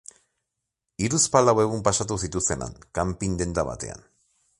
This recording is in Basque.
Hiruzpalau egun pasatu zituzten han, kanpin denda batean.